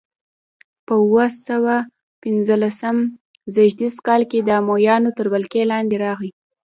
په اووه سوه پنځلسم زېږدیز کال د امویانو تر ولکې لاندې راغي.